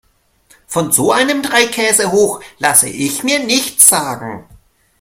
Von so einem Dreikäsehoch lasse ich mir nichts sagen.